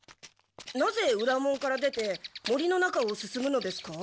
なぜ裏門から出て森の中を進むのですか？